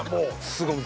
すごい。